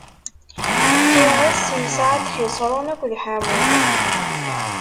Firiṣ isɛad Ḥiṣrun akked Ḥamul.